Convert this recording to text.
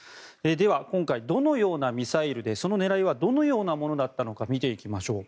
では、今回どのようなミサイルでその狙いはどのようなものだったのか見ていきましょう。